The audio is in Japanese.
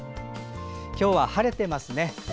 今日は晴れてますね。